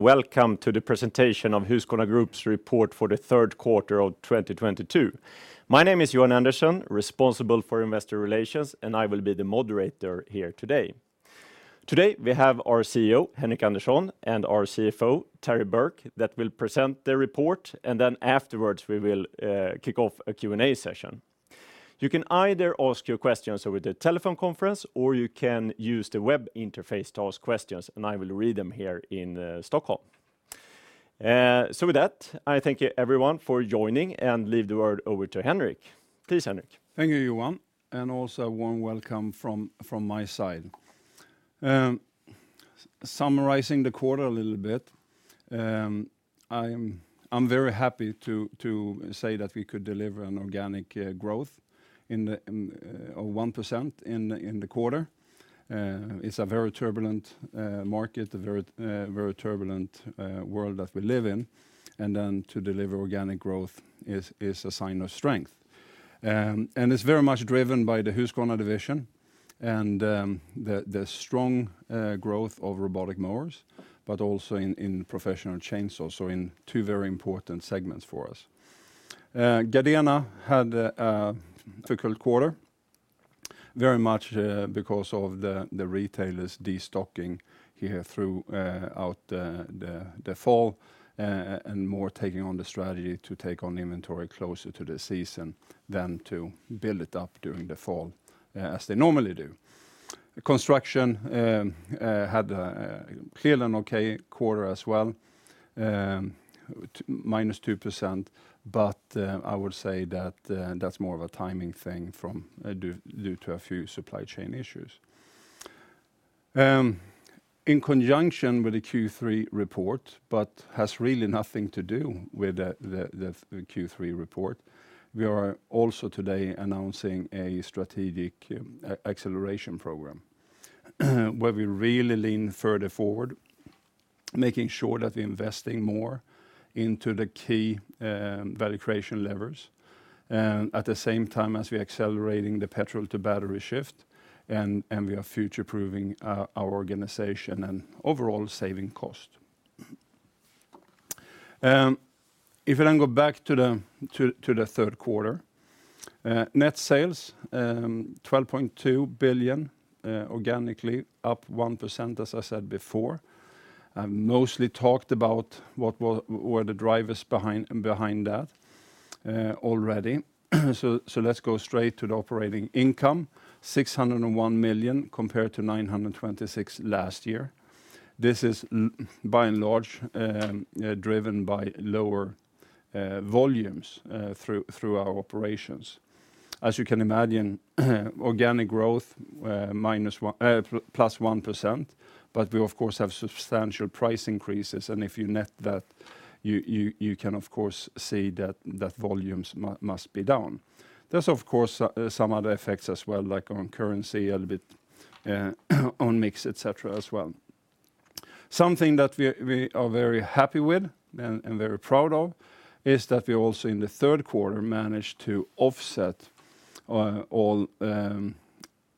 Welcome to the presentation of Husqvarna Group's report for the third quarter of 2022. My name is Johan Andersson, responsible for investor relations, and I will be the moderator here today. Today, we have our CEO, Henric Andersson, and our CFO, Terry Burke, that will present the report, and then afterwards we will kick off a Q-&-A session. You can either ask your questions over the telephone conference, or you can use the web interface to ask questions, and I will read them here in Stockholm. With that, I thank everyone for joining and leave the word over to Henric. Please, Henric. Thank you, Johan, and also warm welcome from my side. Summarizing the quarter a little bit, I'm very happy to say that we could deliver an organic growth of 1% in the quarter. It's a very turbulent market, a very turbulent world that we live in, and to deliver organic growth is a sign of strength. It's very much driven by the Husqvarna division and the strong growth of robotic mowers, but also in professional chainsaws, so in two very important segments for us. Gardena had a difficult quarter, very much because of the retailers destocking here throughout the fall, and more taking on the strategy to take on inventory closer to the season than to build it up during the fall as they normally do. Construction had clearly an okay quarter as well,-2%, but I would say that that's more of a timing thing due to a few supply chain issues. In conjunction with the Q3 report but has really nothing to do with the Q3 report, we are also today announcing a strategic acceleration program where we really lean further forward, making sure that we're investing more into the key value creation levers at the same time as we're accelerating the petrol to battery shift and we are future-proofing our organization and overall saving cost. If we go back to the third quarter, net sales 12.2 billion, organically up 1%, as I said before. I've mostly talked about what the drivers behind that already. Let's go straight to the operating income, 601 million compared to 926 million last year. This is by and large driven by lower volumes through our operations. As you can imagine, organic growth -1% + 1%, but we of course have substantial price increases, and if you net that, you can of course see that volumes must be down. There's of course some other effects as well, like on currency a little bit, on mix, et cetera, as well. Something that we are very happy with and very proud of is that we also in the third quarter managed to offset all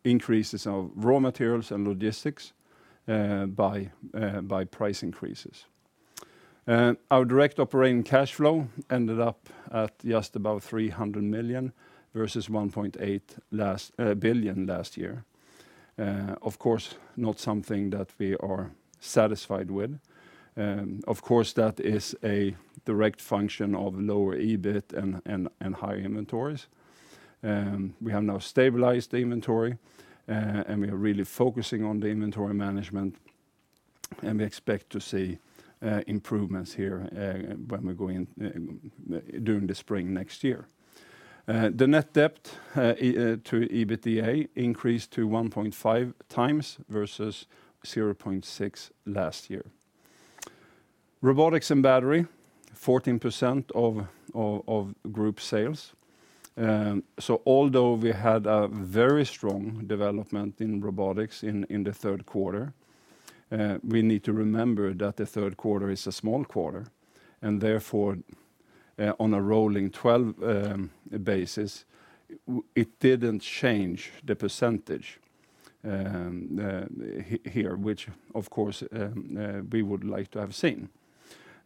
increases of raw materials and logistics by price increases. Our direct operating cash flow ended up at just about 300 million versus 1.8 billion last year. Of course, not something that we are satisfied with. Of course, that is a direct function of lower EBIT and higher inventories. We have now stabilized the inventory, and we are really focusing on the inventory management, and we expect to see improvements here during the spring next year. The net debt to EBITDA increased to 1.5x versus 0.6 last year. Robotics and battery, 14% of group sales. Although we had a very strong development in robotics in the third quarter, we need to remember that the third quarter is a small quarter, and therefore, on a rolling twelve basis, it didn't change the percentage here, which of course we would like to have seen.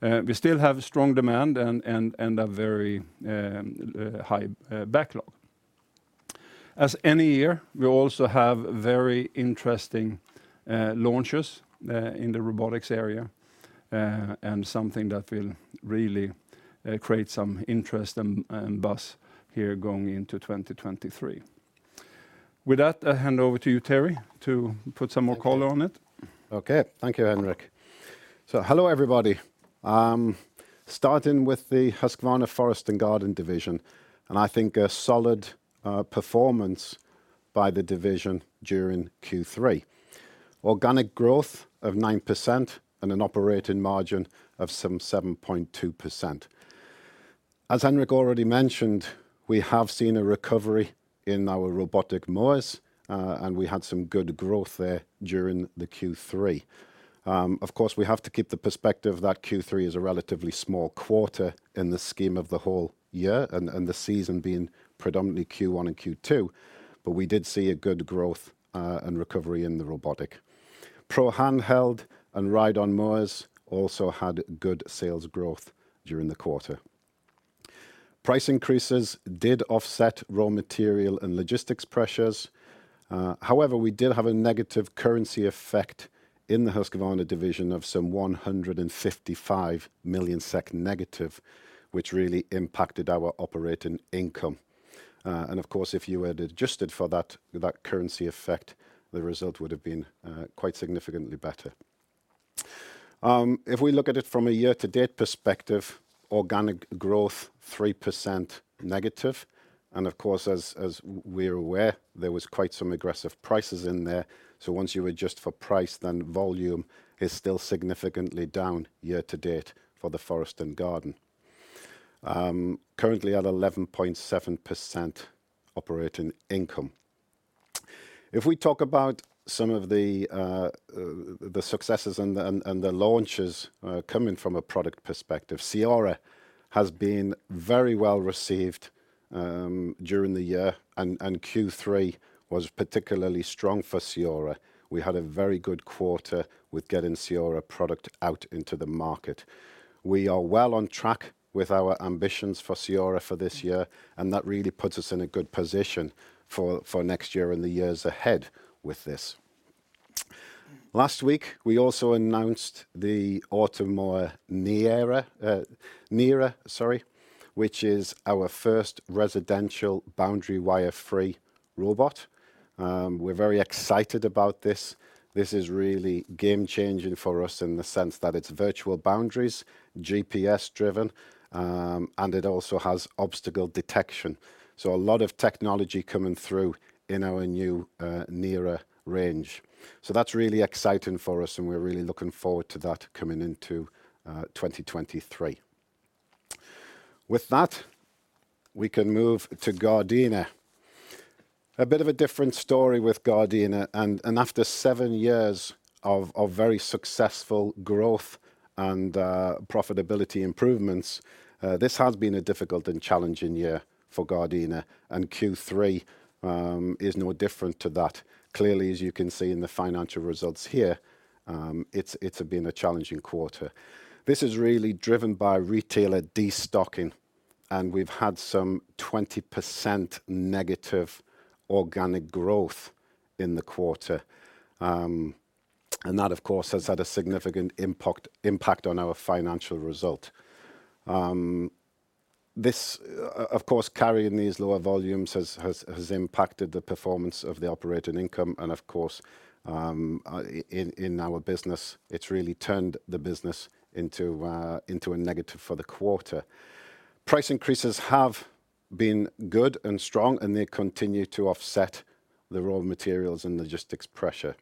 We still have strong demand and a very high backlog. As any year, we also have very interesting launches in the robotics area, and something that will really create some interest and buzz here going into 2023. With that, I hand over to you, Terry, to put some more color on it. Thank you, Henric. Hello, everybody. Starting with the Husqvarna Forest & Garden division, I think a solid performance by the division during Q3. Organic growth of 9% and an operating margin of some 7.2%. As Henric already mentioned, we have seen a recovery in our robotic mowers, and we had some good growth there during the Q3. Of course, we have to keep the perspective that Q3 is a relatively small quarter in the scheme of the whole year and the season being predominantly Q1 and Q2, but we did see a good growth and recovery in the robotic. Pro handheld and ride-on mowers also had good sales growth during the quarter. Price increases did offset raw material and logistics pressures. However, we did have a negative currency effect in the Husqvarna division of 155 million SEK negative, which really impacted our operating income. Of course, if you were to adjust it for that currency effect, the result would have been quite significantly better. If we look at it from a year-to-date perspective, organic growth -3%. Of course, as we're aware, there was quite some aggressive pricing in there. Once you adjust for price, then volume is still significantly down year-to-date for the Forest & Garden. Currently at 11.7% operating income. If we talk about some of the successes and the launches coming from a product perspective, CEORA has been very well received during the year and Q3 was particularly strong for CEORA. We had a very good quarter with getting CEORA product out into the market. We are well on track with our ambitions for CEORA for this year, and that really puts us in a good position for next year and the years ahead with this. Last week, we also announced the Automower NERA, which is our first residential boundary wire-free robot. We're very excited about this. This is really game-changing for us in the sense that it's virtual boundaries, GPS driven, and it also has obstacle detection. A lot of technology coming through in our new NERA range. That's really exciting for us and we're really looking forward to that coming into 2023. With that, we can move to Gardena. A bit of a different story with Gardena. After seven years of very successful growth and profitability improvements, this has been a difficult and challenging year for Gardena, and Q3 is no different to that. Clearly, as you can see in the financial results here, it's been a challenging quarter. This is really driven by retailer destocking, and we've had some 20% negative organic growth in the quarter. And that, of course, has had a significant impact on our financial result. This of course, carrying these lower volumes has impacted the performance of the operating income and of course, in our business, it's really turned the business into a negative for the quarter. Price increases have been good and strong, and they continue to offset the raw materials and logistics pressure.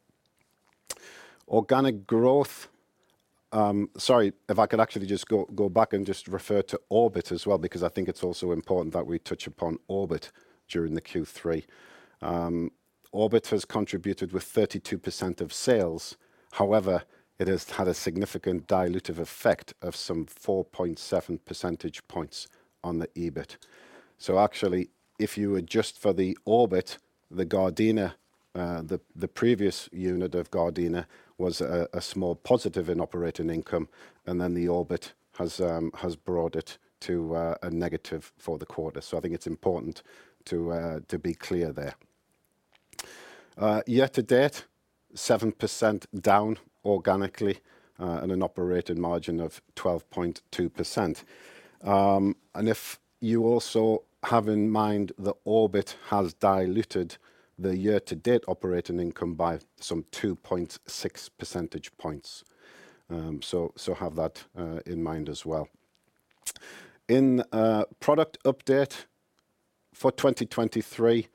Sorry, if I could actually just go back and just refer to Orbit as well, because I think it's also important that we touch upon Orbit during the Q3. Orbit has contributed with 32% of sales. However, it has had a significant dilutive effect of some 4.7% points on the EBIT. Actually, if you adjust for the Orbit, the Gardena, the previous unit of Gardena was a small positive in operating income, and then the Orbit has brought it to a negative for the quarter. I think it's important to be clear there. Year-to-date, 7% down organically, and an operating margin of 12.2%. If you also have in mind the Orbit has diluted the year-to-date operating income by some 2.6% points. Have that in mind as well. In product update for 2023,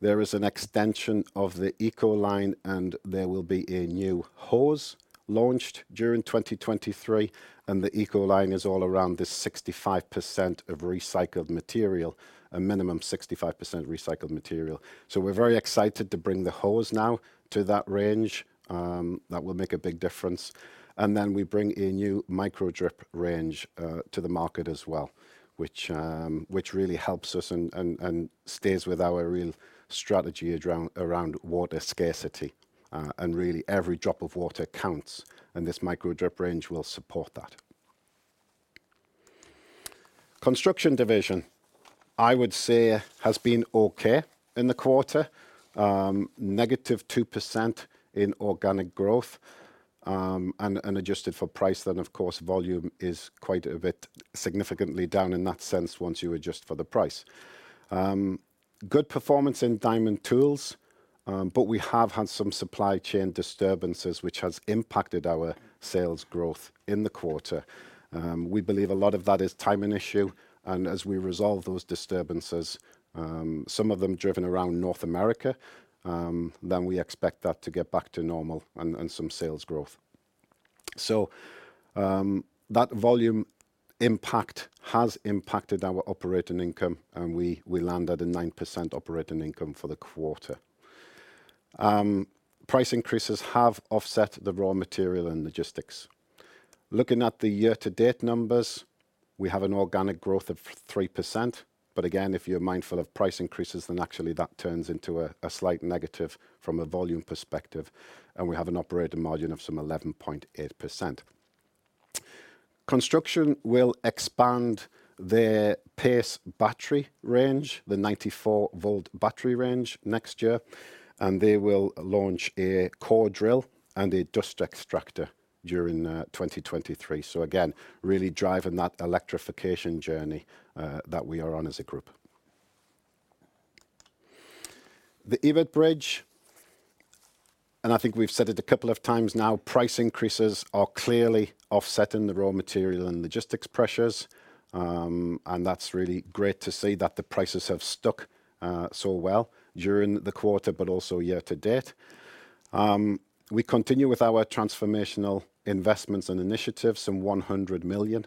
there is an extension of the EcoLine, and there will be a new hose launched during 2023, and the EcoLine is all around the 65% of recycled material, a minimum 65% recycled material. We're very excited to bring the hose now to that range. That will make a big difference. Then we bring a new Micro-Drip range to the market as well, which really helps us and stays with our real strategy around water scarcity. Really every drop of water counts, and this Micro-Drip range will support that. Husqvarna Construction, I would say, has been okay in the quarter. -2% in organic growth, and adjusted for price then of course volume is quite a bit significantly down in that sense once you adjust for the price. Good performance in diamond tools, but we have had some supply chain disturbances which has impacted our sales growth in the quarter. We believe a lot of that is timing issue, and as we resolve those disturbances, some of them driven around North America, then we expect that to get back to normal and some sales growth. That volume impact has impacted our operating income and we landed a 9% operating income for the quarter. Price increases have offset the raw material and logistics. Looking at the year-to-date numbers, we have an organic growth of 3%. Again, if you are mindful of price increases, then actually that turns into a slight negative from a volume perspective, and we have an operating margin of some 11.8%. Construction will expand their PACE battery range, the 94-volt battery range next year, and they will launch a core drill and a dust extractor during 2023. Again, really driving that electrification journey that we are on as a group. The EBIT bridge, and I think we've said it a couple of times now, price increases are clearly offsetting the raw material and logistics pressures. That's really great to see that the prices have stuck so well during the quarter, but also year-to-date. We continue with our transformational investments and initiatives, some 100 million.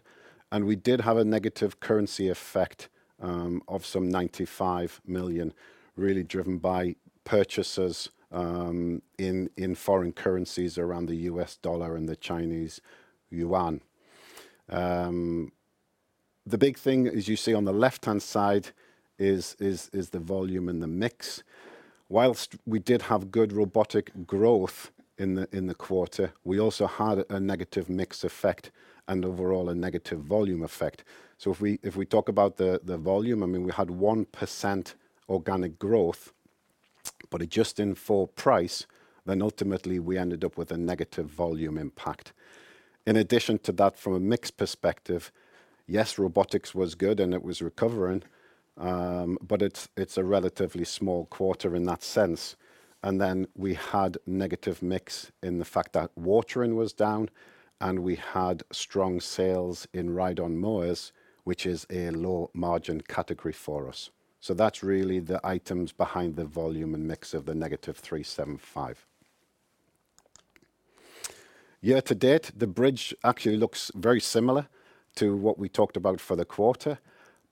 We did have a negative currency effect of some 95 million really driven by purchases in foreign currencies around the U.S. dollar and the Chinese yuan. The big thing is you see on the left-hand side is the volume and the mix. Whilst we did have good robotic growth in the quarter, we also had a negative mix effect and overall a negative volume effect. If we talk about the volume, I mean, we had 1% organic growth, but adjusting for price, then ultimately we ended up with a negative volume impact. In addition to that, from a mix perspective, yes, robotics was good and it was recovering, but it's a relatively small quarter in that sense. We had negative mix in the fact that watering was down and we had strong sales in ride-on mowers, which is a low margin category for us. That's really the items behind the volume and mix of the negative 3.75%. Year-to-date, the bridge actually looks very similar to what we talked about for the quarter.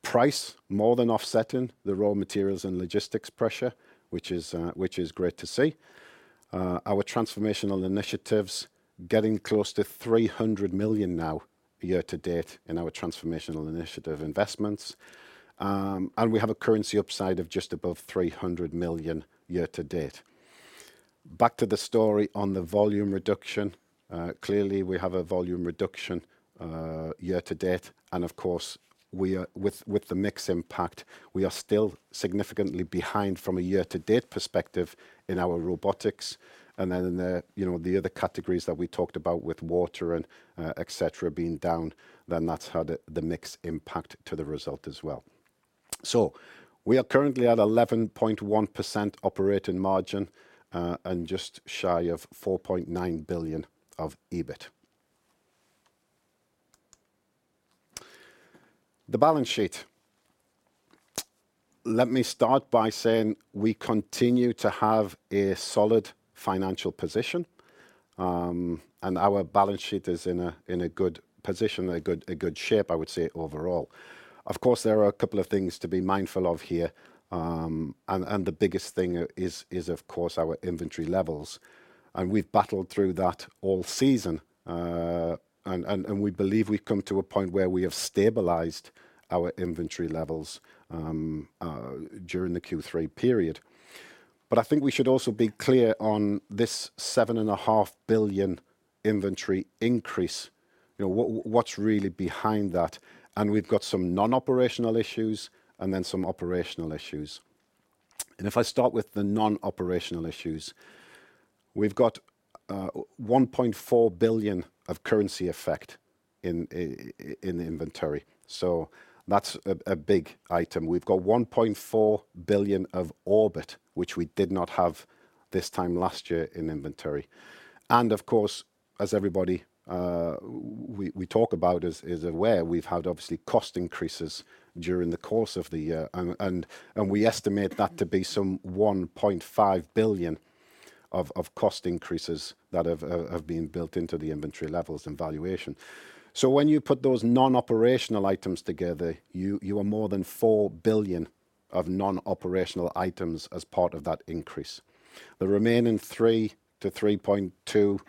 Price more than offsetting the raw materials and logistics pressure, which is great to see. Our transformational initiatives getting close to 300 million now year-to-date in our transformational initiative investments. We have a currency upside of just above 300 million year-to-date. Back to the story on the volume reduction. Clearly we have a volume reduction year-to-date. Of course with the mix impact, we are still significantly behind from a year-to-date perspective in our robotics. You know, the other categories that we talked about with water and et cetera being down, then that's had a the mix impact to the result as well. We are currently at 11.1% operating margin just shy of 4.9 billion of EBIT. The balance sheet. Let me start by saying we continue to have a solid financial position, and our balance sheet is in a good position, a good shape, I would say, overall. Of course, there are a couple of things to be mindful of here, and the biggest thing is of course our inventory levels. We've battled through that all season. We believe we've come to a point where we have stabilized our inventory levels during the Q3 period. I think we should also be clear on this 7.5 billion inventory increase. You know, what's really behind that? We've got some non-operational issues and then some operational issues. If I start with the non-operational issues, we've got 1.4 billion of currency effect in inventory. That's a big item. We've got 1.4 billion of Orbit, which we did not have this time last year in inventory. Of course, as everybody we talk about is aware, we've had obviously cost increases during the course of the year and we estimate that to be some 1.5 billion of cost increases that have been built into the inventory levels and valuation. When you put those non-operational items together, you are more than 4 billion of non-operational items as part of that increase. The remaining 3-3.2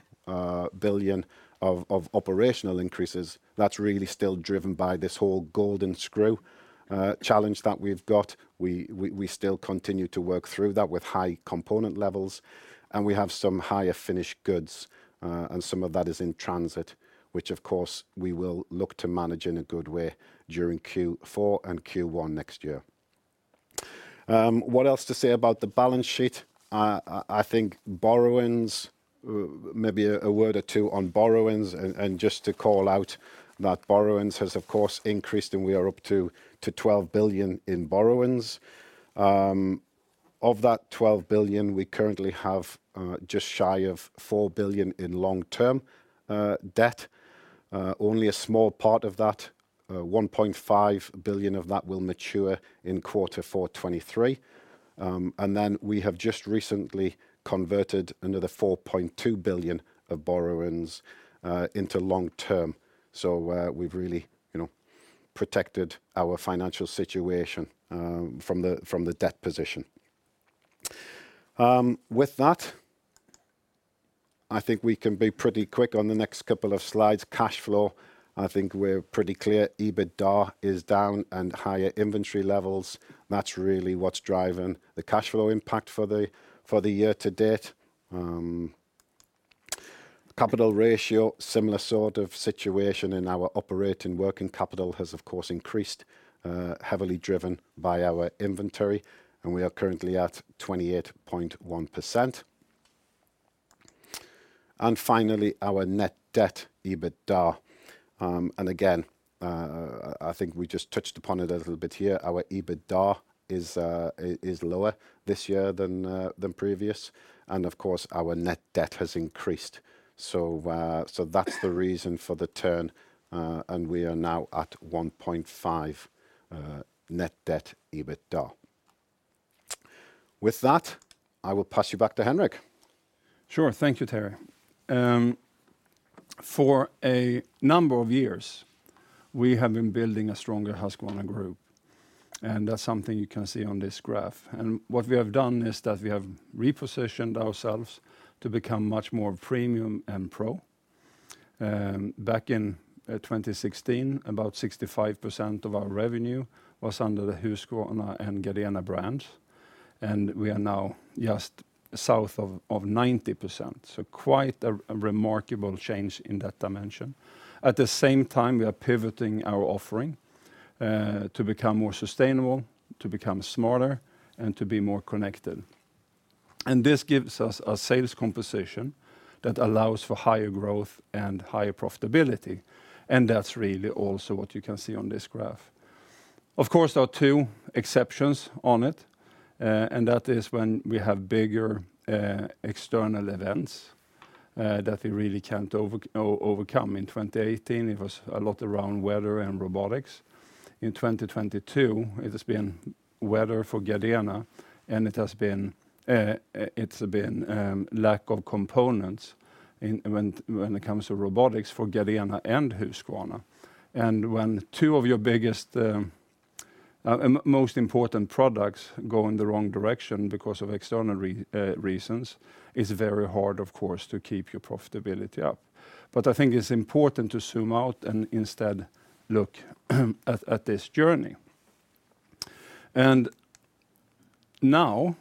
billion of operational increases, that's really still driven by this whole golden screw challenge that we've got. We still continue to work through that with high component levels, and we have some higher finished goods, and some of that is in transit, which of course we will look to manage in a good way during Q4 and Q1 next year. What else to say about the balance sheet? I think borrowings, maybe a word or two on borrowings and just to call out that borrowings has of course increased, and we are up to 12 billion in borrowings. Of that 12 billion, we currently have just shy of 4 billion in long-term debt. Only a small part of that, 1.5 billion of that will mature in quarter four 2023. We have just recently converted another 4.2 billion of borrowings into long-term. We've really, you know, protected our financial situation from the debt position. With that I think we can be pretty quick on the next couple of slides. Cash flow, I think we're pretty clear. EBITDA is down and higher inventory levels, that's really what's driving the cash flow impact for the year to date. Capital ratio, similar sort of situation, and our operating working capital has of course increased, heavily driven by our inventory, and we are currently at 28.1%. Finally, our net debt, EBITDA. Again, I think we just touched upon it a little bit here. Our EBITDA is lower this year than previous. Of course, our net debt has increased. That's the reason for the turn, and we are now at 1.5 net debt EBITDA. With that, I will pass you back to Henric. Sure. Thank you, Terry. For a number of years, we have been building a stronger Husqvarna Group, and that's something you can see on this graph. What we have done is that we have repositioned ourselves to become much more premium and pro. Back in 2016, about 65% of our revenue was under the Husqvarna and Gardena brands, and we are now just south of 90%. Quite a remarkable change in that dimension. At the same time, we are pivoting our offering to become more sustainable, to become smarter, and to be more connected. This gives us a sales composition that allows for higher growth and higher profitability, and that's really also what you can see on this graph. Of course, there are two exceptions on it, and that is when we have bigger external events that we really can't overcome. In 2018, it was a lot around weather and robotics. In 2022, it has been weather for Gardena, and it has been lack of components when it comes to robotics for Gardena and Husqvarna. When two of your biggest most important products go in the wrong direction because of external reasons, it's very hard, of course, to keep your profitability up. I think it's important to zoom out and instead look at this journey. Now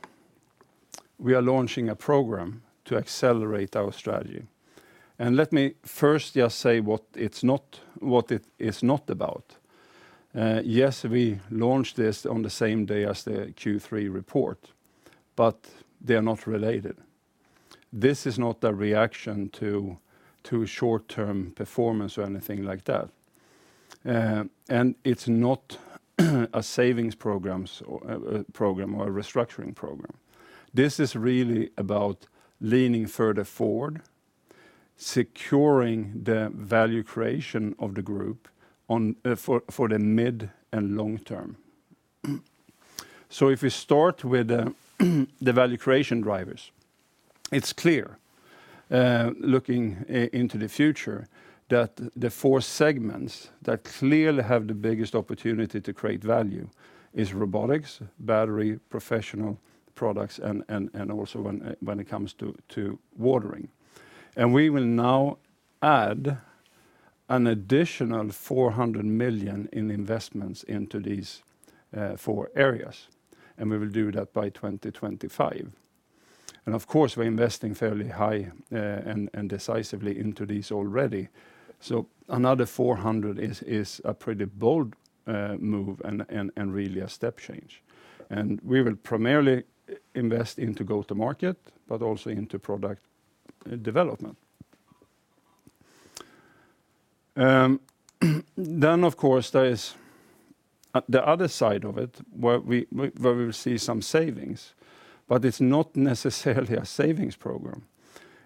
we are launching a program to accelerate our strategy. Let me first just say what it's not, what it is not about. Yes, we launched this on the same day as the Q3 report, but they are not related. This is not a reaction to short-term performance or anything like that. It's not a savings program or a restructuring program. This is really about leaning further forward, securing the value creation of the group for the mid and long term. If we start with the value creation drivers, it's clear looking into the future that the four segments that clearly have the biggest opportunity to create value is robotics, battery, professional products, and also when it comes to watering. We will now add an additional 400 million in investments into these four areas, and we will do that by 2025. Of course, we're investing fairly high and decisively into these already. Another 400 is a pretty bold move and really a step change. We will primarily invest into go-to-market, but also into product development. Of course, there is the other side of it where we will see some savings, but it's not necessarily a savings program.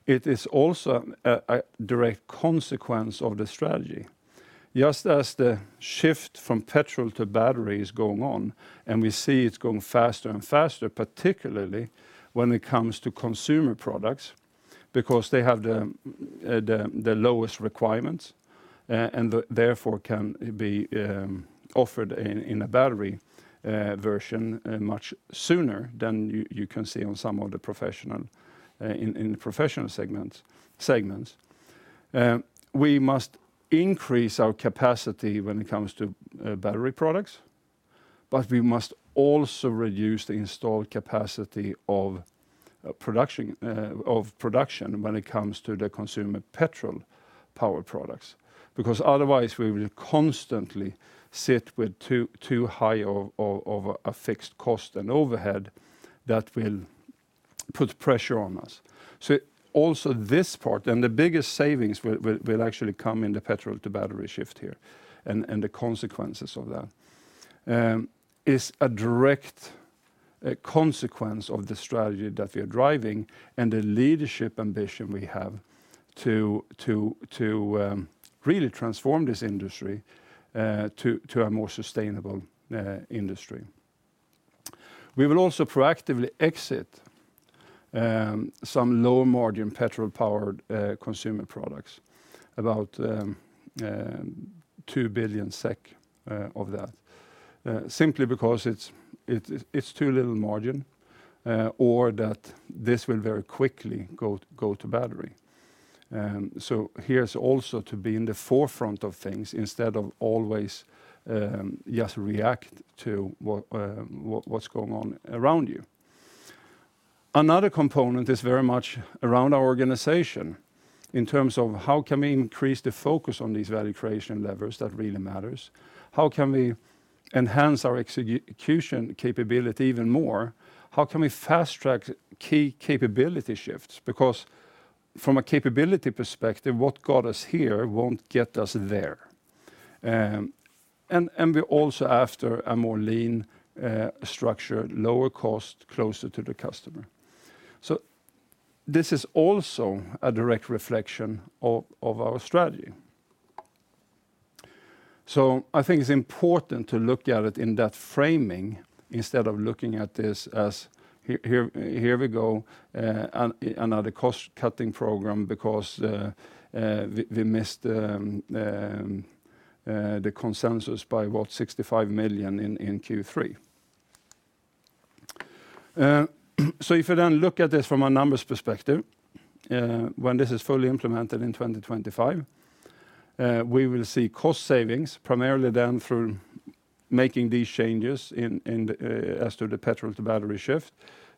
It is also a direct consequence of the strategy. Just as the shift from petrol to battery is going on, and we see it's going faster and faster, particularly when it comes to consumer products, because they have the lowest requirements, and therefore can be offered in a battery version much sooner than you can see on some of the professional segments. We must increase our capacity when it comes to battery products, but we must also reduce the installed capacity of production when it comes to the consumer petrol power products. Because otherwise, we will constantly sit with too high of a fixed cost and overhead that will put pressure on us. Also this part, and the biggest savings will actually come in the petrol to battery shift here and the consequences of that is a direct consequence of the strategy that we are driving and the leadership ambition we have to really transform this industry to a more sustainable industry. We will also proactively exit some low-margin petrol-powered consumer products, about 2 billion SEK of that, simply because it's too little margin or that this will very quickly go to battery. Here's also to be in the forefront of things instead of always just react to what's going on around you. Another component is very much around our organization in terms of how can we increase the focus on these value creation levers that really matters? How can we enhance our execution capability even more? How can we fast-track key capability shifts? Because from a capability perspective, what got us here won't get us there. We're also after a more lean structure, lower cost, closer to the customer. This is also a direct reflection of our strategy. I think it's important to look at it in that framing instead of looking at this as here we go, another cost-cutting program because we missed the consensus by what? 65 million in Q3. If you then look at this from a numbers perspective, when this is fully implemented in 2025, we will see cost savings primarily then through making these changes in the petrol to battery shift,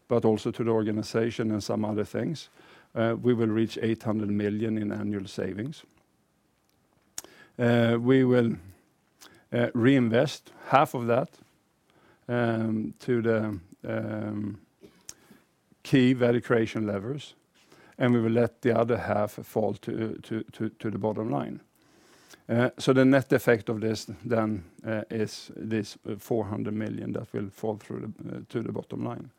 but also to the organization and some other things. We will reach 800 million in annual savings. We will reinvest half of that to the key value creation levers, and we will let the other half fall to the bottom line. The net effect of this then is this 400 million that will fall through to the bottom line.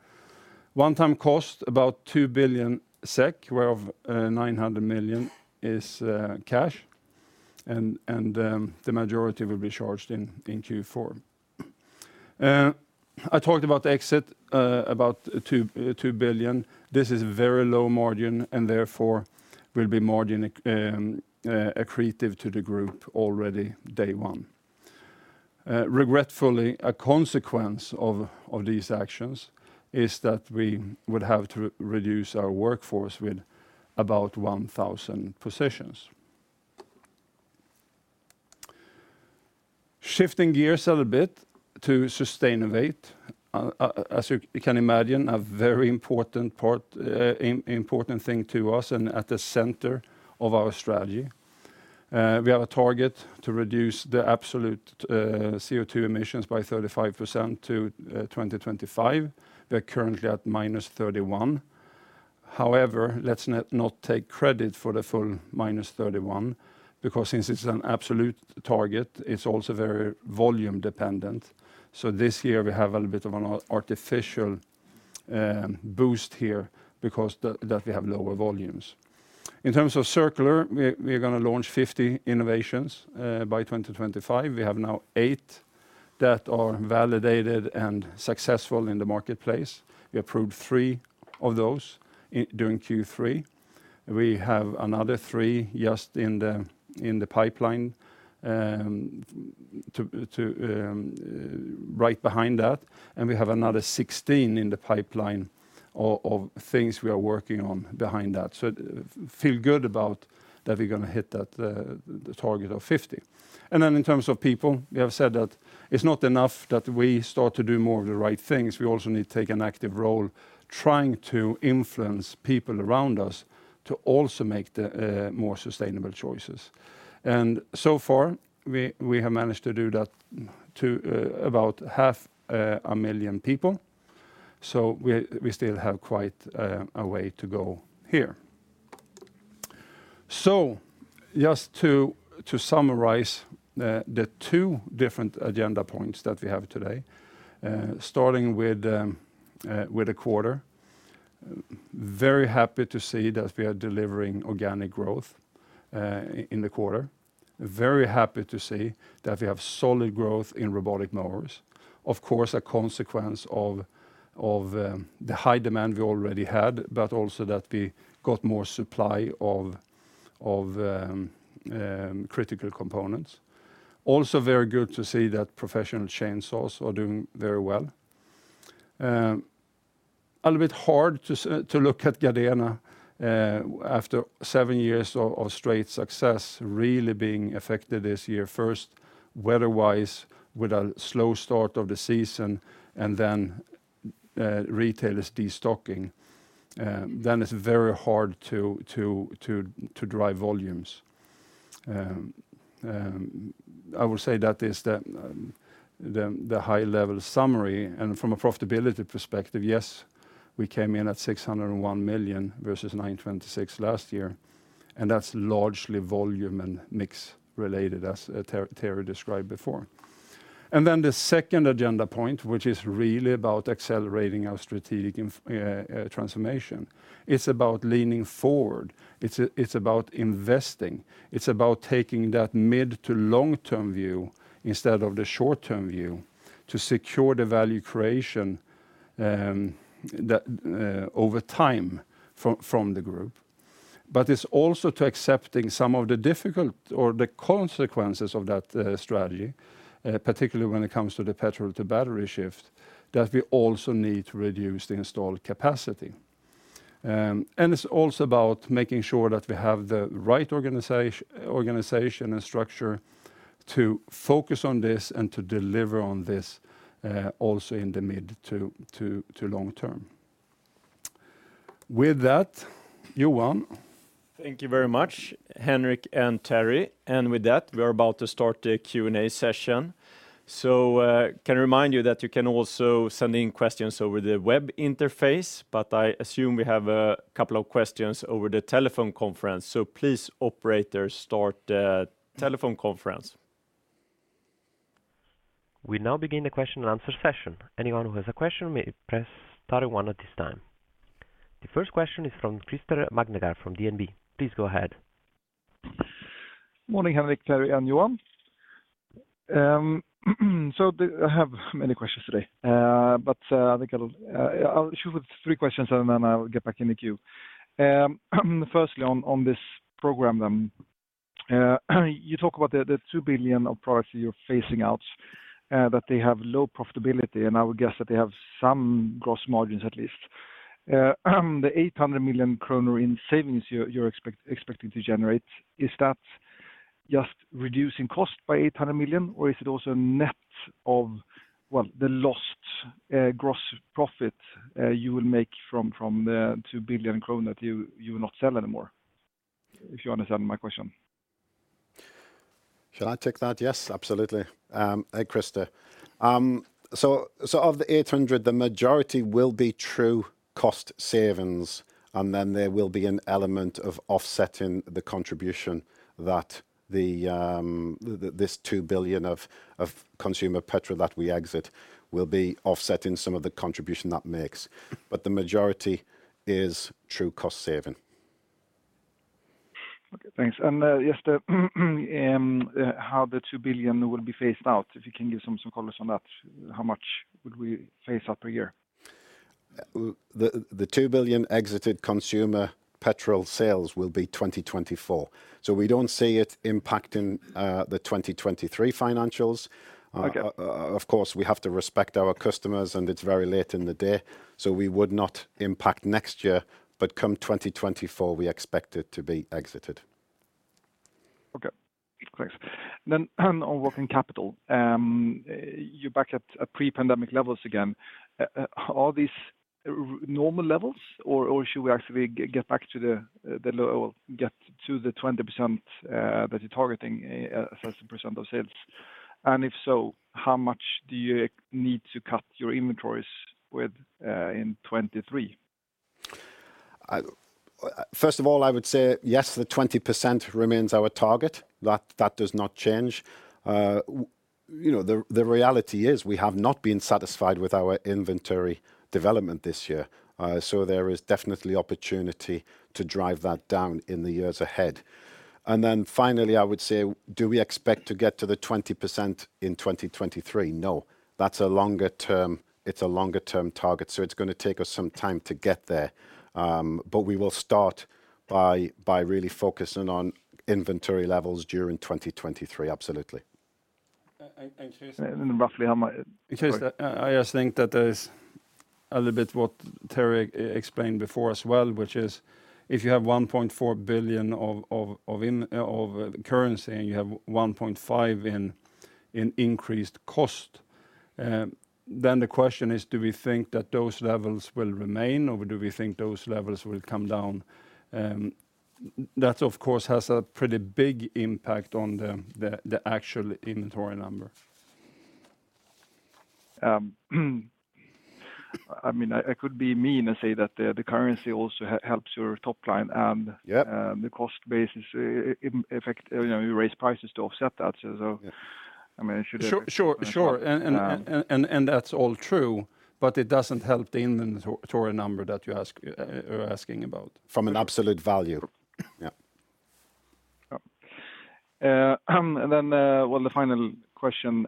One-time cost about 2 billion SEK, whereof 900 million is cash and the majority will be charged in Q4. I talked about exit about 2 billion. This is very low margin and therefore will be margin accretive to the group already day one. Regretfully, a consequence of these actions is that we would have to reduce our workforce with about 1,000 positions. Shifting gears a little bit to Sustainovate. As you can imagine, a very important part, important thing to us and at the center of our strategy, we have a target to reduce the absolute CO2 emissions by 35% to 2025. We're currently at -31%. However, let's not take credit for the full -31%, because since it's an absolute target, it's also very volume dependent. This year we have a little bit of an artificial boost here because we have lower volumes. In terms of circular, we are gonna launch 50 innovations by 2025. We have now eight that are validated and successful in the marketplace. We approved three of those during Q3. We have another three just in the pipeline right behind that, and we have another 16 in the pipeline of things we are working on behind that. Feel good about that we're gonna hit that the target of 50. In terms of people, we have said that it's not enough that we start to do more of the right things. We also need to take an active role trying to influence people around us to also make the more sustainable choices. So far, we have managed to do that to about 500,000 people. We still have quite a way to go here. Just to summarize the two different agenda points that we have today, starting with the quarter. Very happy to see that we are delivering organic growth in the quarter. Very happy to see that we have solid growth in robotic mowers. Of course, a consequence of the high demand we already had, but also that we got more supply of critical components. Also very good to see that professional chainsaws are doing very well. A little bit hard to look at Gardena after seven years of straight success really being affected this year. First, weather-wise, with a slow start of the season and then retailers destocking, then it's very hard to drive volumes. I will say that is the high level summary. From a profitability perspective, yes, we came in at 601 million versus 926 million last year, and that's largely volume and mix related as Terry described before. The second agenda point, which is really about accelerating our strategic transformation. It's about leaning forward. It's about investing. It's about taking that mid to long-term view instead of the short-term view to secure the value creation over time from the group. It's also to accepting some of the difficult or the consequences of that strategy, particularly when it comes to the petrol-to-battery shift, that we also need to reduce the installed capacity. It's also about making sure that we have the right organization and structure to focus on this and to deliver on this, also in the mid- to long term. With that, Johan. Thank you very much, Henric and Terry. With that, we're about to start the Q-&-A session. Can I remind you that you can also send in questions over the web interface, but I assume we have a couple of questions over the telephone conference. Please, operator, start the telephone conference. We now begin the question and answer session. Anyone who has a question may press star one at this time. The first question is from Christer Magnergård from DNB. Please go ahead. Morning, Henric, Terry, and Johan. I have many questions today. I think I'll shoot with three questions, and then I'll get back in the queue. First, on this program, you talk about the 2 billion of products that you're phasing out, that they have low profitability, and I would guess that they have some gross margins at least. The 800 million kronor in savings you're expecting to generate, is that just reducing cost by 800 million, or is it also net of, well, the lost gross profit you will make from the 2 billion kronor that you will not sell anymore? If you understand my question. Shall I take that? Yes, absolutely. Hey, Christer. Of the 800, the majority will be true cost savings, and then there will be an element of offsetting the contribution that this 2 billion of consumer petrol that we exit will be offsetting some of the contribution that makes. The majority is true cost savings. Okay, thanks. Just how the 2 billion will be phased out, if you can give some colors on that. How much would we phase out per year? The 2 billion exited consumer petrol sales will be 2024. We don't see it impacting the 2023 financials. Okay. Of course, we have to respect our customers, and it's very late in the day, so we would not impact next year. Come 2024, we expect it to be exited. Okay. Thanks. On working capital, you're back at pre-pandemic levels again. Are these normal levels or should we actually get back to the lower or get to the 20% that you're targeting as a percent of sales? If so, how much do you need to cut your inventories within 2023? First of all, I would say, yes, the 20% remains our target. That does not change. You know, the reality is we have not been satisfied with our inventory development this year. There is definitely opportunity to drive that down in the years ahead. Finally, I would say, do we expect to get to the 20% in 2023? No. That's a longer term. It's a longer term target, so it's gonna take us some time to get there. We will start by really focusing on inventory levels during 2023. Absolutely. Christer Roughly how much? Christer, I just think that there's a little bit what Terry explained before as well, which is if you have 1.4 billion of currency, and you have 1.5 billion in increased cost, then the question is, do we think that those levels will remain, or do we think those levels will come down? That, of course, has a pretty big impact on the actual inventory number. I mean, I could be mean and say that the currency also helps your top line. Yeah The cost base is, in effect, you know, you raise prices to offset that. I mean, it should- Sure, sure. Um. That's all true, but it doesn't help the inventory number that you are asking about. From an absolute value. Yeah. Well, the final question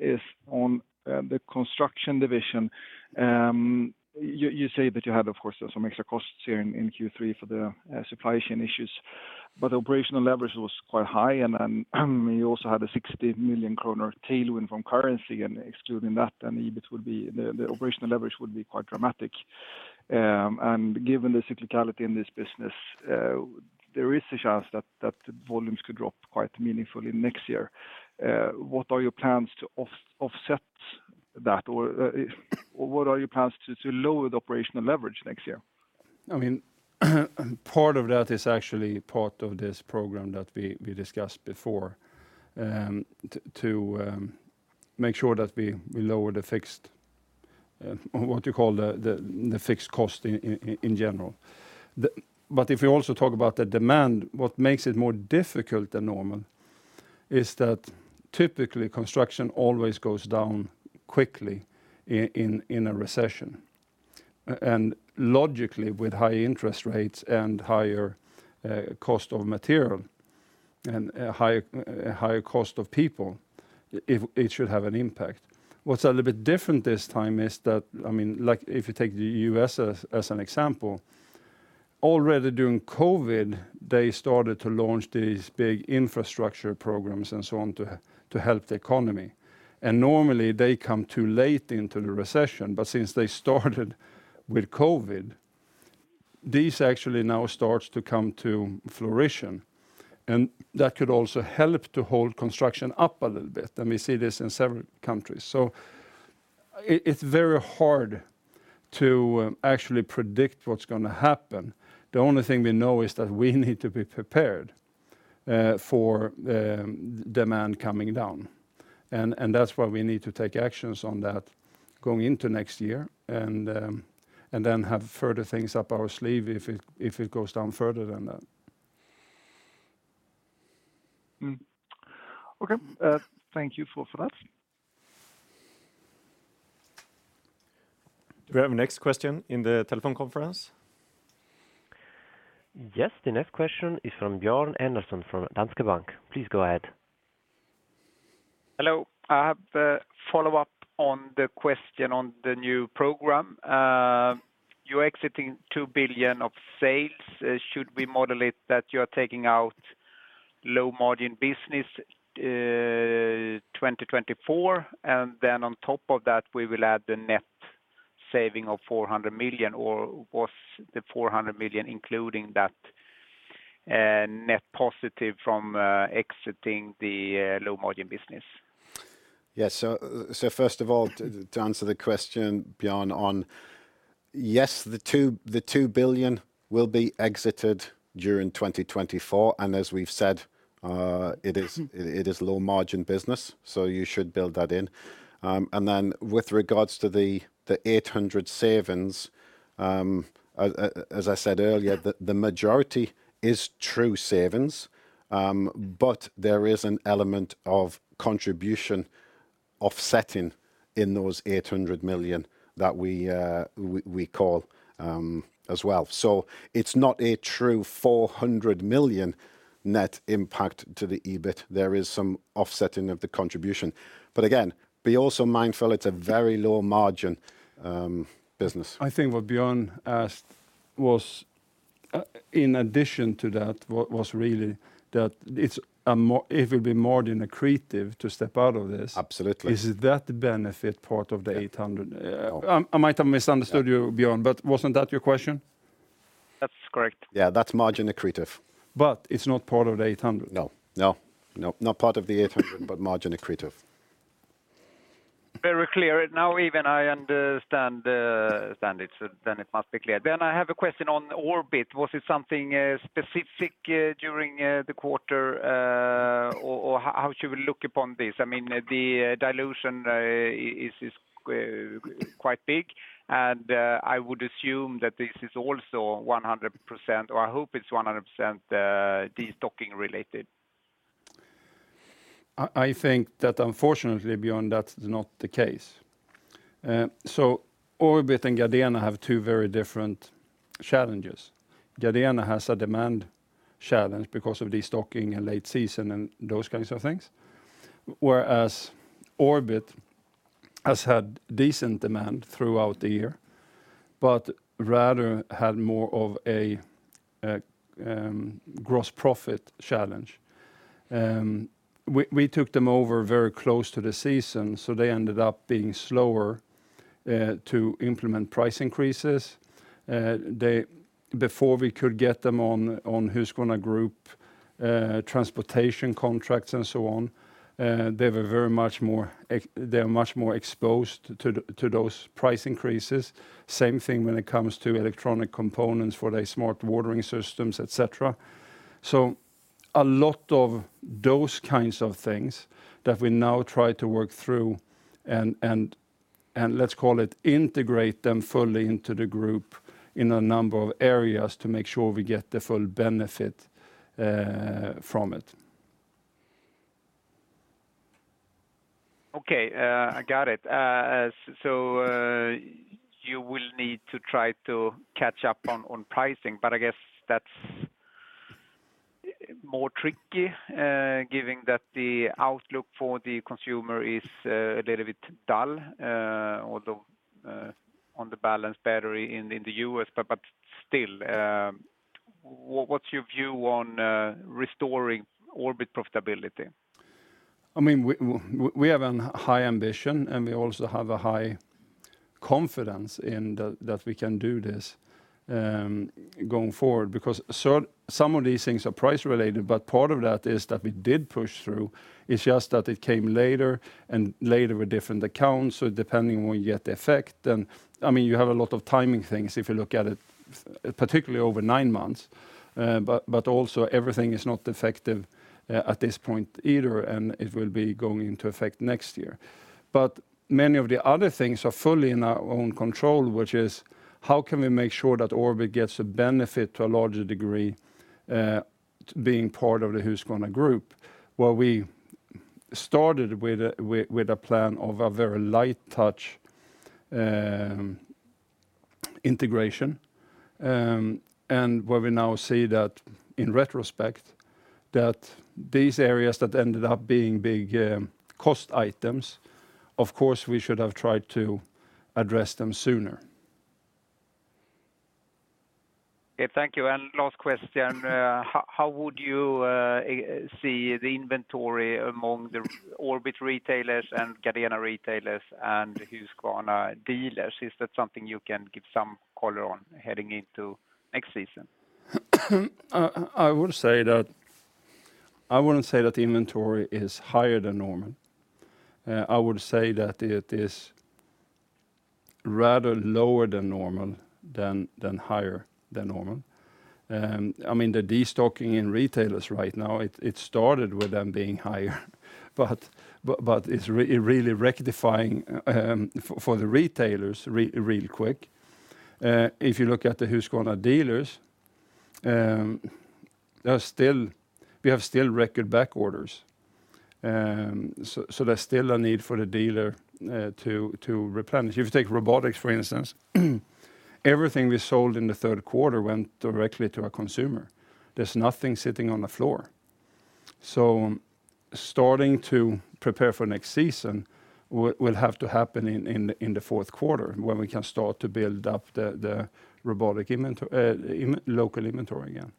is on the construction division. You say that you had, of course, some extra costs here in Q3 for the supply chain issues, but operational leverage was quite high and you also had a 60 million kronor tailwind from currency. Excluding that, the operational leverage would be quite dramatic. Given the cyclicality in this business, there is a chance that volumes could drop quite meaningfully next year. What are your plans to offset that? Or what are your plans to lower the operational leverage next year? I mean, part of that is actually part of this program that we discussed before, to make sure that we lower the fixed, or what you call the fixed cost in general. If you also talk about the demand, what makes it more difficult than normal is that typically construction always goes down quickly in a recession. Logically with high interest rates and higher cost of material and higher cost of people, it should have an impact. What's a little bit different this time is that, I mean, like if you take the U.S. as an example, already during COVID, they started to launch these big infrastructure programs and so on to help the economy. Normally they come too late into the recession, but since they started with COVID, these actually now starts to come to fruition, and that could also help to hold construction up a little bit, and we see this in several countries. It's very hard to actually predict what's gonna happen. The only thing we know is that we need to be prepared for demand coming down. That's why we need to take actions on that going into next year and then have further things up our sleeve if it goes down further than that. Okay. Thank you for that. Do we have a next question in the telephone conference? Yes, the next question is from Björn Andersson from Danske Bank. Please go ahead. Hello. I have a follow-up on the question on the new program. You're exiting 2 billion of sales. Should we model it that you're taking out low margin business, 2024, and then on top of that, we will add the net saving of 400 million, or was the 400 million including that, net positive from exiting the low margin business? Yeah. First of all, to answer the question, Björn, on yes, the 2 billion will be exited during 2024, and as we've said, it is low margin business, so you should build that in. With regards to the 800 million savings, as I said earlier, the majority is true savings, but there is an element of contribution offsetting in those 800 million that we call as well. It's not a true 400 million net impact to the EBIT. There is some offsetting of the contribution. Again, be also mindful it's a very low margin business. I think what Björn asked was, in addition to that, it will be more than accretive to step out of this. Absolutely. Is that benefit part of the 800? No. I might have misunderstood you, Björn, but wasn't that your question? That's correct. Yeah. That's margin accretive. It's not part of the 800? No, not part of the 800, but margin-accretive. Very clear. Now even I understand it, so it must be clear. I have a question on Orbit. Was it something specific during the quarter, or how should we look upon this? I mean, the dilution is quite big, and I would assume that this is also 100%, or I hope it's 100%, destocking related. I think that unfortunately, Björn, that's not the case. Orbit and Gardena have two very different challenges. Gardena has a demand challenge because of destocking and late season and those kinds of things, whereas Orbit has had decent demand throughout the year, but rather had more of a gross profit challenge. We took them over very close to the season, so they ended up being slower to implement price increases. Before we could get them on Husqvarna Group transportation contracts and so on, they were very much more exposed to those price increases. Same thing when it comes to electronic components for their smart watering systems, et cetera. A lot of those kinds of things that we now try to work through and let's call it integrate them fully into the group in a number of areas to make sure we get the full benefit from it. Okay, I got it. You will need to try to catch up on pricing, but I guess that's more tricky, given that the outlook for the consumer is a little bit dull, although on balance, it's better in the U.S. Still, what's your view on restoring Orbit profitability? I mean, we have a high ambition, and we also have a high confidence in that that we can do this, going forward because some of these things are price related, but part of that is that we did push through. It's just that it came later and later with different accounts, so depending when you get the effect. I mean, you have a lot of timing things if you look at it, particularly over nine months. But also everything is not effective at this point either, and it will be going into effect next year. Many of the other things are fully in our own control, which is how can we make sure that Orbit gets a benefit to a larger degree, being part of the Husqvarna Group, where we started with a plan of a very light touch integration. Where we now see that in retrospect, these areas that ended up being big cost items, of course, we should have tried to address them sooner. Okay. Thank you. Last question. How would you see the inventory among the Orbit retailers and Gardena retailers and Husqvarna dealers? Is that something you can give some color on heading into next season? I would say that I wouldn't say that the inventory is higher than normal. I would say that it is rather lower than normal than higher than normal. I mean, the destocking in retailers right now, it started with them being higher, but it's really rectifying for the retailers real quick. If you look at the Husqvarna dealers, they are still. We have still record back orders. So there's still a need for the dealer to replenish. If you take robotics, for instance, everything we sold in the third quarter went directly to a consumer. There's nothing sitting on the floor. Starting to prepare for next season will have to happen in the fourth quarter when we can start to build up the robotic local inventory again.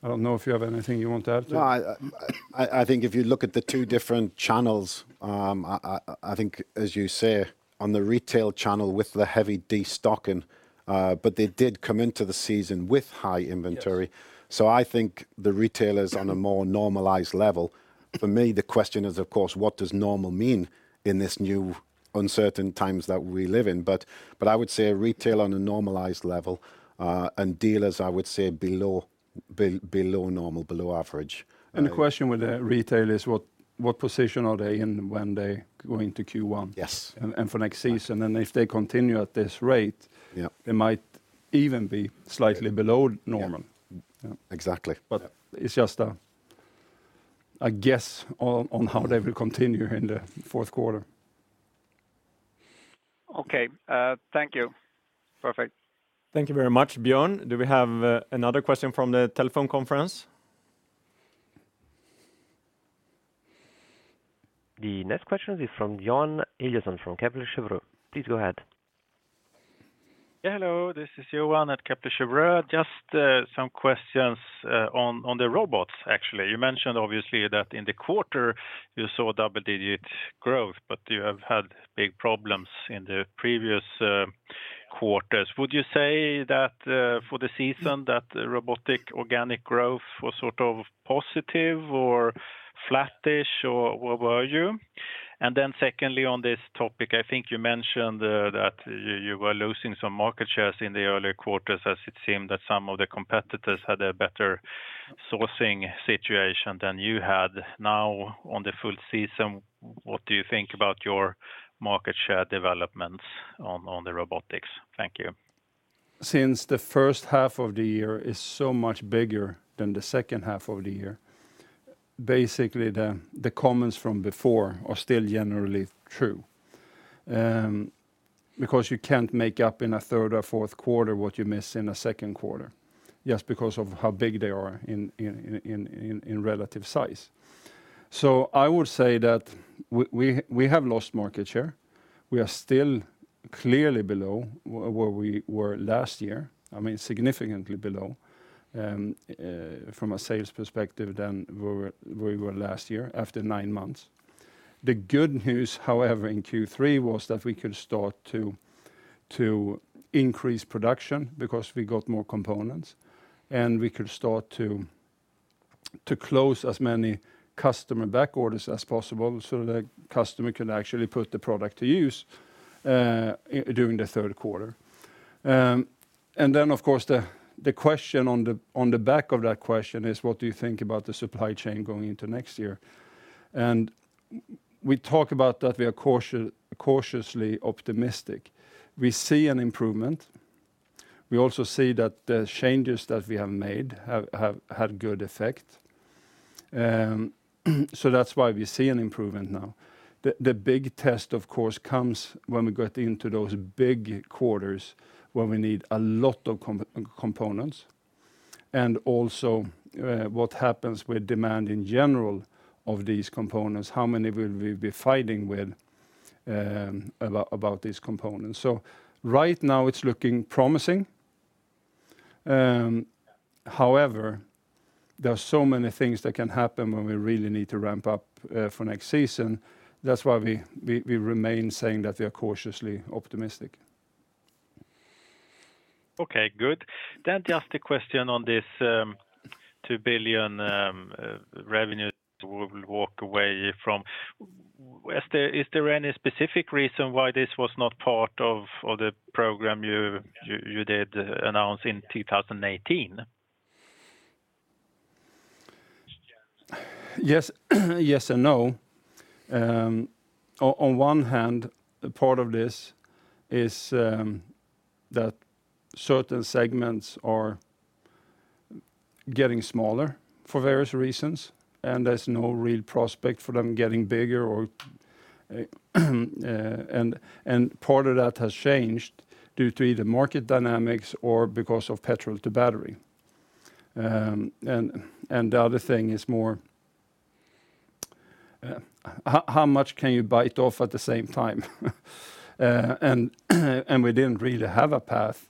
I don't know if you have anything you want to add to it. No. I think if you look at the two different channels, I think as you say, on the retail channel with the heavy destocking, but they did come into the season with high inventory. Yes. I think the retailers on a more normalized level. For me, the question is, of course, what does normal mean in this new uncertain times that we live in? I would say retail on a normalized level, and dealers, I would say below normal, below average. The question with the retailers, what position are they in when they go into Q1? Yes for next season. If they continue at this rate. Yeah They might even be slightly below normal. Yeah. Exactly. It's just a guess on how they will continue in the fourth quarter. Okay. Thank you. Perfect. Thank you very much, Björn. Do we have another question from the telephone conference? The next question is from Johan Eliasson from Kepler Cheuvreux. Please go ahead. Hello, this is Johan Eliasson at Kepler Cheuvreux. Just some questions on the robots, actually. You mentioned obviously that in the quarter you saw double-digit growth, but you have had big problems in the previous quarters. Would you say that for the season, that robotic organic growth was sort of positive or flat-ish, or where were you? And then secondly, on this topic, I think you mentioned that you were losing some market shares in the earlier quarters as it seemed that some of the competitors had a better sourcing situation than you had. Now, on the full season, what do you think about your market share developments on the robotics? Thank you. Since the first half of the year is so much bigger than the second half of the year, basically the comments from before are still generally true. Because you can't make up in a third or fourth quarter what you miss in a second quarter, just because of how big they are in relative size. I would say that we have lost market share. We are still clearly below where we were last year, I mean, significantly below, from a sales perspective than where we were last year after nine months. The good news, however, in Q3 was that we could start to increase production because we got more components, and we could start to close as many customer back orders as possible so the customer could actually put the product to use during the third quarter. Then of course, the question on the back of that question is what do you think about the supply chain going into next year? We talk about that we are cautiously optimistic. We see an improvement. We also see that the changes that we have made have had good effect. That's why we see an improvement now. The big test, of course, comes when we get into those big quarters where we need a lot of components and also what happens with demand in general of these components, how many will we be fighting with about these components. Right now it's looking promising. However, there are so many things that can happen when we really need to ramp up for next season. That's why we remain saying that we are cautiously optimistic. Okay, good. Just a question on this, 2 billion revenue we'll walk away from. Is there any specific reason why this was not part of the program you did announce in 2018? Yes. Yes and no. On one hand, part of this is that certain segments are getting smaller for various reasons, and there's no real prospect for them getting bigger. Part of that has changed due to either market dynamics or because of petrol to battery. The other thing is more how much can you bite off at the same time. We didn't really have a path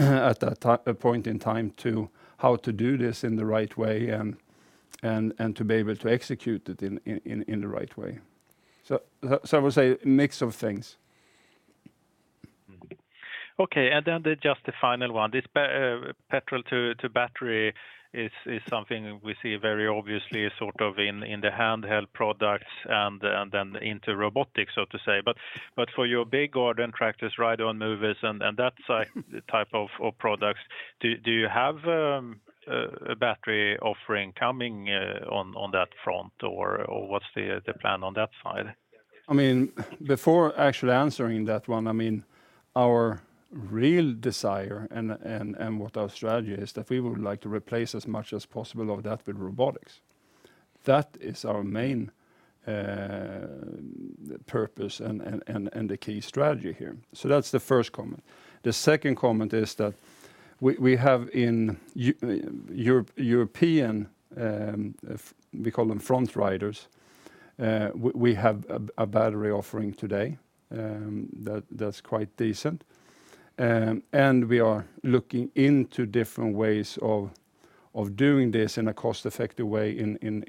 at that point in time to how to do this in the right way and to be able to execute it in the right way. I would say a mix of things. Okay. Just the final one. This petrol to battery is something we see very obviously sort of in the handheld products and then into robotics, so to say. But for your big garden tractors, ride-on mowers and that type of products, do you have a battery offering coming on that front? Or what's the plan on that side? I mean, before actually answering that one, I mean, our real desire and what our strategy is that we would like to replace as much as possible of that with robotics. That is our main purpose and the key strategy here. That's the first comment. The second comment is that we have in European, we call them front riders, we have a battery offering today, that's quite decent. And we are looking into different ways of doing this in a cost-effective way in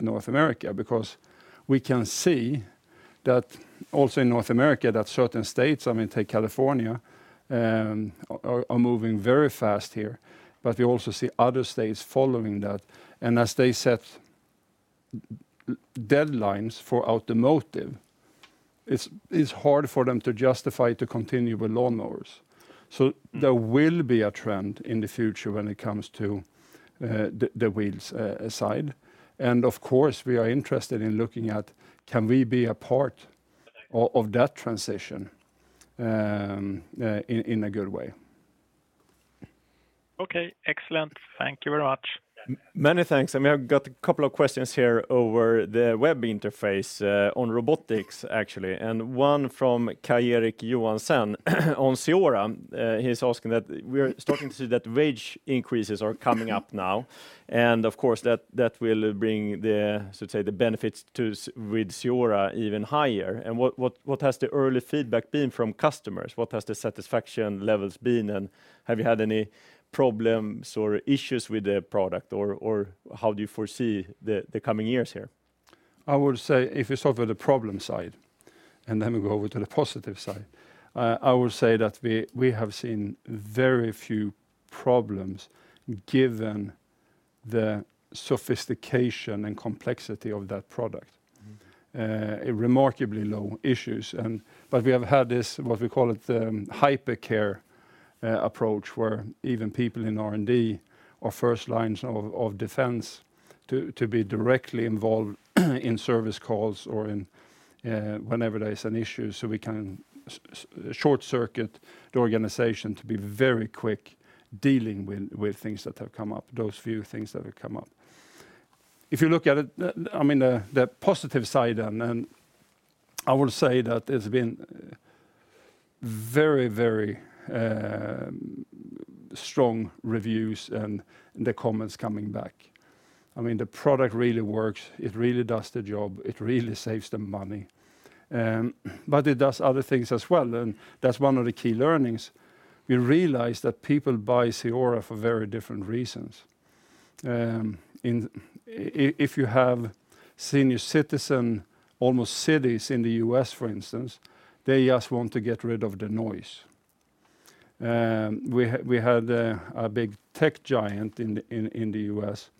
North America, because we can see that also in North America, that certain states, I mean, take California, are moving very fast here. We also see other states following that, and as they set deadlines for automotive, it's hard for them to justify to continue with lawnmowers. There will be a trend in the future when it comes to the wheels side. Of course, we are interested in looking at can we be a part of that transition in a good way. Okay. Excellent. Thank you very much. Many thanks. We have got a couple of questions here over the web interface on robotics actually, and one from Kaj-Eric Johansson of CEORA. He's asking that we're starting to see that wage increases are coming up now, and of course that will bring the, so to say, the benefits of robotics even higher. What has the early feedback been from customers? What has the satisfaction levels been, and have you had any problems or issues with the product or how do you foresee the coming years here? I would say if we start with the problem side, and then we go over to the positive side. I would say that we have seen very few problems given the sophistication and complexity of that product. Mm-hmm. remarkably low issues. We have had this, what we call it, the hypercare approach where even people in R&D are first lines of defense to be directly involved in service calls or in whenever there is an issue, so we can short circuit the organization to be very quick dealing with things that have come up, those few things that have come up. If you look at it, I mean, the positive side, and then I would say that it's been very strong reviews and the comments coming back. I mean, the product really works. It really does the job. It really saves them money. It does other things as well. That's one of the key learnings. We realized that people buy CEORA for very different reasons. If you have senior citizen communities in the US, for instance, they just want to get rid of the noise. We had a big tech giant in the US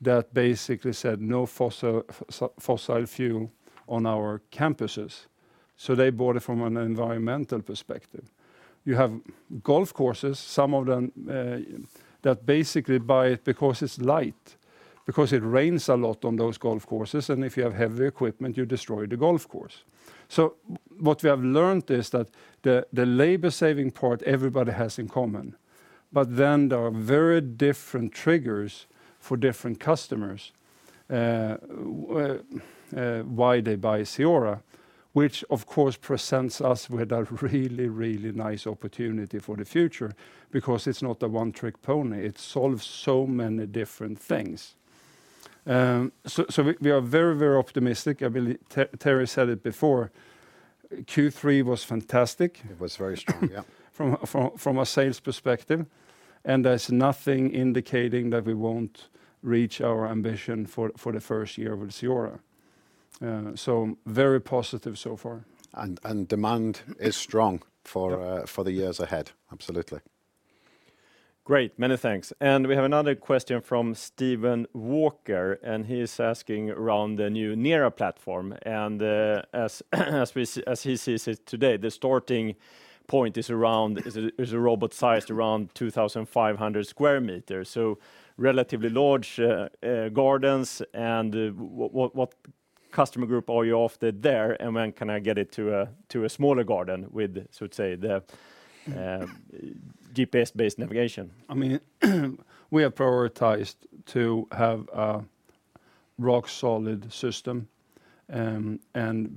that basically said, "No fossil fuel on our campuses." They bought it from an environmental perspective. You have golf courses, some of them, that basically buy it because it's light, because it rains a lot on those golf courses, and if you have heavy equipment, you destroy the golf course. What we have learned is that the labor saving part everybody has in common. Then there are very different triggers for different customers why they buy CEORA, which of course presents us with a really nice opportunity for the future because it's not a one-trick pony. It solves so many different things. We are very optimistic. I believe Terry said it before. Q3 was fantastic. It was very strong, yeah. From a sales perspective, and there's nothing indicating that we won't reach our ambition for the first year with CEORA. Very positive so far. demand is strong for the years ahead. Absolutely. Great. Many thanks. We have another question from Steven Walker, and he is asking around the new NERA platform. As he sees it today, the starting point is a robot sized around 2,500 m2. Relatively large gardens and what can- Customer group are you after there, and when can I get it to a smaller garden with, so to say, the GPS-based navigation? I mean, we have prioritized to have a rock solid system, and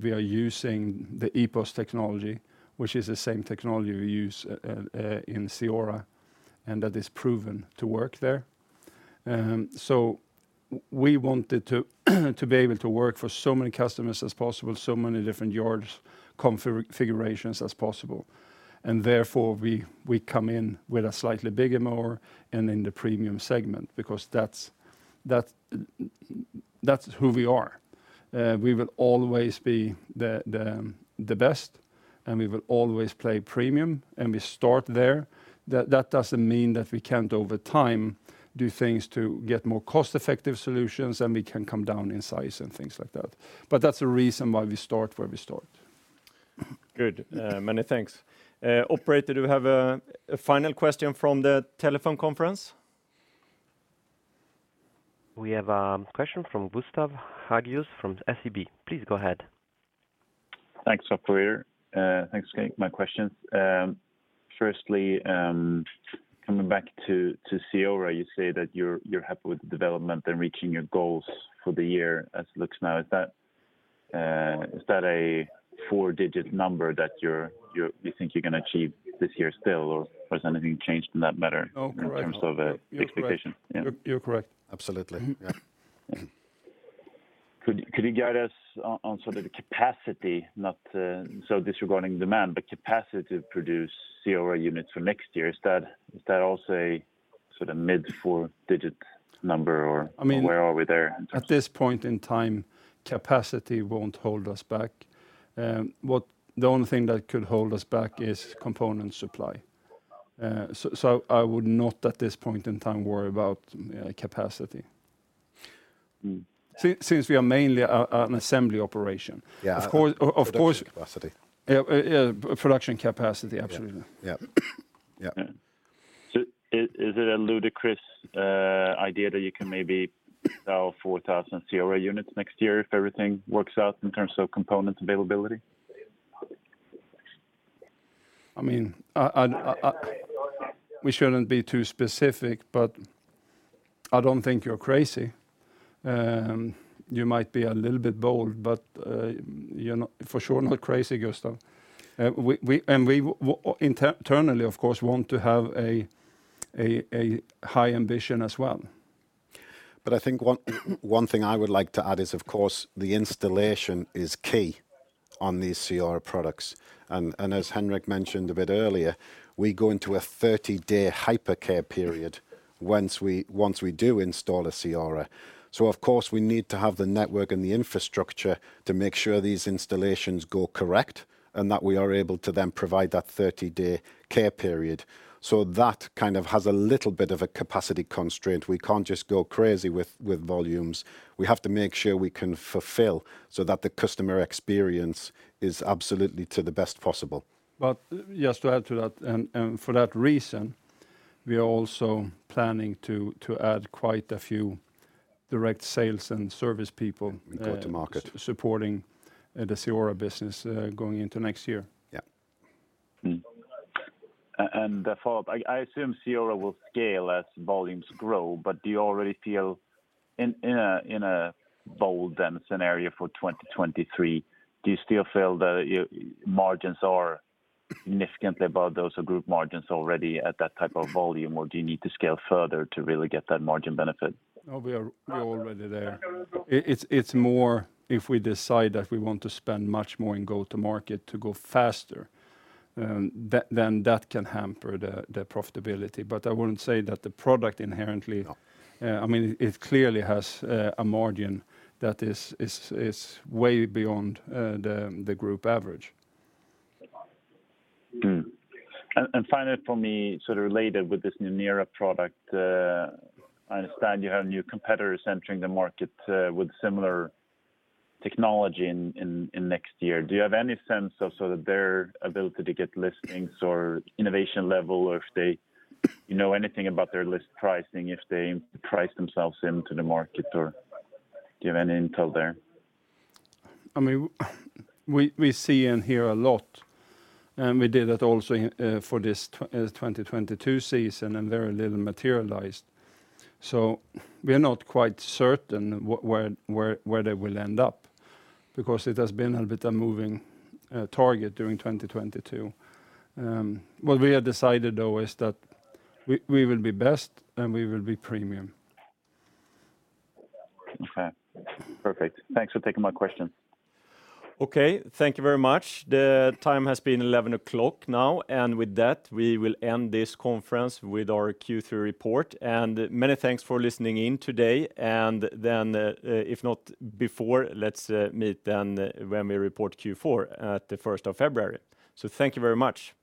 we are using the EPOS technology, which is the same technology we use in CEORA, and that is proven to work there. We wanted to be able to work for so many customers as possible, so many different yard configurations as possible, and therefore we come in with a slightly bigger mower and in the premium segment because that's who we are. We will always be the best, and we will always play premium, and we start there. That doesn't mean that we can't, over time, do things to get more cost-effective solutions, and we can come down in size and things like that. That's the reason why we start where we start. Good. Many thanks. Operator, do we have a final question from the telephone conference? We have a question from Gustav Hagéus from SEB. Please go ahead. Thanks, operator. Thanks, gang. My questions. Firstly, coming back to CEORA, you say that you're happy with the development and reaching your goals for the year as it looks now. Is that a four-digit number that you think you're gonna achieve this year still? Or has anything changed in that matter? Oh, correct. In terms of expectation? Yeah. You're correct. Absolutely. Yeah. Could you guide us on sort of the capacity, not so disregarding demand, but capacity to produce CEORA units for next year? Is that also a sort of mid four-digit number or- I mean. Where are we there in terms of? At this point in time, capacity won't hold us back. The only thing that could hold us back is component supply. I would not, at this point in time, worry about capacity. Mm. Since we are mainly an assembly operation. Yeah. Of course. Production capacity. Yeah. Production capacity, absolutely. Yeah. Is it a ludicrous idea that you can maybe sell 4,000 CEORA units next year if everything works out in terms of component availability? I mean, we shouldn't be too specific, but I don't think you're crazy. You might be a little bit bold, but you're not, for sure not crazy, Gustav. We internally, of course, want to have a high ambition as well. I think one thing I would like to add is, of course, the installation is key on these CEORA products. As Henric mentioned a bit earlier, we go into a 30-day hypercare period once we do install a CEORA. Of course, we need to have the network and the infrastructure to make sure these installations go correct and that we are able to then provide that 30-day care period. That kind of has a little bit of a capacity constraint. We can't just go crazy with volumes. We have to make sure we can fulfill so that the customer experience is absolutely to the best possible. Just to add to that, and for that reason, we are also planning to add quite a few direct sales and service people. Go to market supporting the CEORA business going into next year. Yeah. Therefore, I assume CEORA will scale as volumes grow, but do you already feel in a bull case scenario for 2023, do you still feel that your margins are significantly above those group margins already at that type of volume? Or do you need to scale further to really get that margin benefit? No, we're already there. It's more if we decide that we want to spend much more and go to market to go faster, then that can hamper the profitability. But I wouldn't say that the product inherently. No I mean it clearly has a margin that is way beyond the group average. Finally for me, sort of related with this new NERA product, I understand you have new competitors entering the market with similar technology in next year. Do you have any sense of, sort of their ability to get listings or innovation level or if they, you know, anything about their list pricing, if they price themselves into the market or do you have any intel there? I mean, we see and hear a lot, and we did that also for this 2022 season, and very little materialized. We are not quite certain where they will end up because it has been a little bit a moving target during 2022. What we have decided though is that we will be best and we will be premium. Okay. Perfect. Thanks for taking my question. Okay. Thank you very much. The time has been 11 o'clock now, and with that, we will end this conference with our Q3 report. Many thanks for listening in today. If not before, let's meet then when we report Q4 at the 1st of February. Thank you very much.